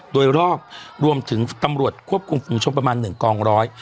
โดยรอบรวมถึงตำรวจควบคุมฝุงชนประมาณ๑กองร้อย